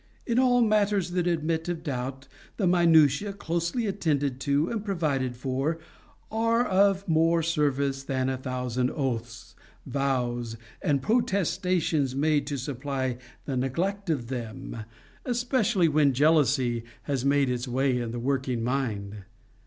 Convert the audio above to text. In all matters that admit of doubt, the minutiae, closely attended to and provided for, are of more service than a thousand oaths, vows, and protestations made to supply the neglect of them, especially when jealousy has made its way in the working mind.